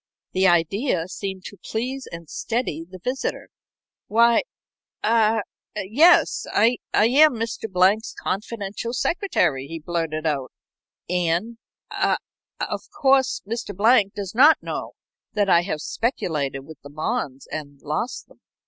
The idea seemed to please and steady the visitor. "Why ah yes I am Mr. Blank's confidential secretary," he blurted out. "And ah of course Mr. Blank does not know that I have speculated with the bonds and lost them."